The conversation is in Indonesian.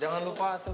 jangan lupa tuh